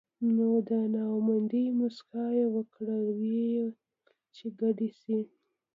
نو د نا امېدۍ مسکا يې وکړه وې چې کېدے شي